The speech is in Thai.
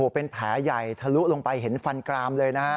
เป็นแผลใหญ่ทะลุลงไปเห็นฟันกรามเลยนะฮะ